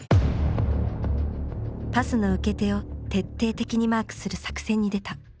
パスの受け手を徹底的にマークする作戦に出た。